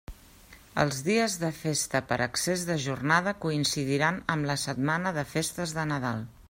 Els dies de festa per excés de jornada coincidiran amb la setmana de festes de Nadal.